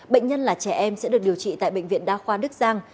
bệnh nhân là trẻ em sẽ được điều trị tại bệnh viện đa khoa đức giang